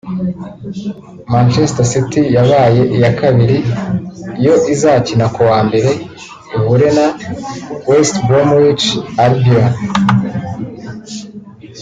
Manchester City yabaye iya kabiri yo izakina ku wa mbere ihure na West Bromwitch Albion